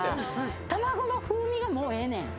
卵の風味が、もうええねん。